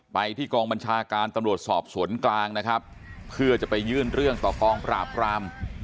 ไปที่กองบัญชาการตำรวจสอบสวนกลางนะครับเพื่อจะไปยื่นเรื่องต่อกองปราบราม